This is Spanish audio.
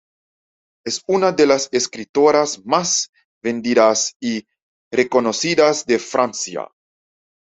Es una de las escritoras más vendidas y reconocidas de Francia.